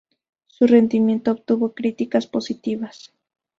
Su rendimiento obtuvo críticas positivas.